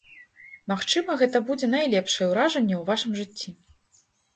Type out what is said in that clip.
Магчыма, гэта будзе найлепшае ўражанне ў вашым жыцці.